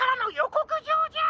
こくじょうじゃ！